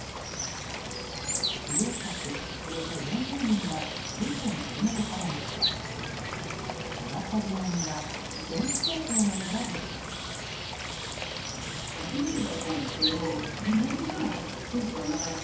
利用客およそ４０人がリフトに取り残されました。